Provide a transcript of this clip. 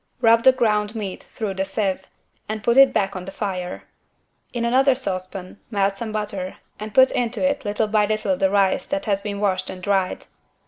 Rub the ground meat through the sieve and put it back on the fire. In another saucepan melt some butter and put into it little by little the rice that has been washed and dried.